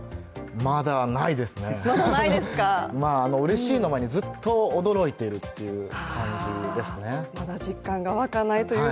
まだないですね、うれしいの前にずっと驚いているという感じですね。